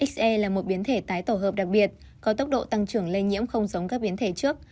se là một biến thể tái tổ hợp đặc biệt có tốc độ tăng trưởng lây nhiễm không giống các biến thể trước